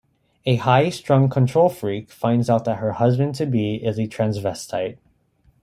A high strung control freak finds out that her husband-to-be is a transvestite.